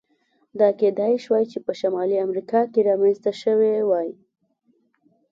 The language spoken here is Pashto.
دا کېدای شوای چې په شمالي امریکا کې رامنځته شوی وای.